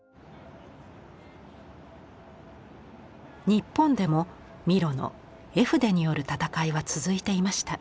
日本でもミロの絵筆による戦いは続いていました。